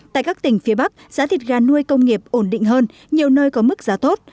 tại các tỉnh phía bắc giá thịt gà nuôi công nghiệp ổn định hơn nhiều nơi có mức giá tốt